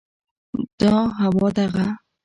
دا هوا، دغه